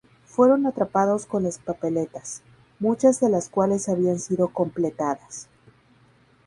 Fueron atrapados con las papeletas, muchas de las cuales habían sido completadas.